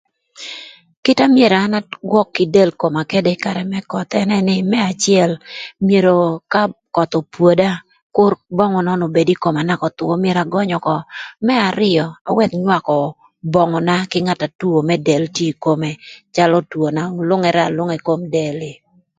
Kite na an myero an agwök kï del koma këdë ï karë më köth ënë nï më acël myero ka köth opwoda kür böngü nön obed ï koma naka koma öthwö myero agöny ökö, më arïö awëk nywakö böngü ka nga na two del kom tye ï kome calö two na nwongere anwonga ï kom del.